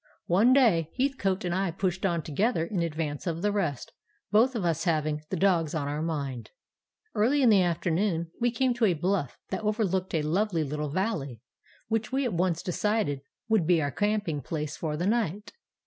One day Heathcote and I pushed on together in advance of the rest, both of us having the dogs on our mind. "Early in the afternoon we came to a bluff that overlooked a lovely little valley, which we at once decided would be our camping place for that night.